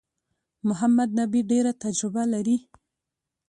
محمد نبي ډېره تجربه لري.